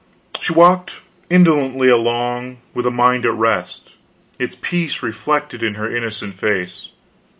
She walked indolently along, with a mind at rest, its peace reflected in her innocent face.